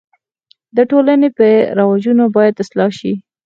د ټولني بد رواجونه باید اصلاح سي.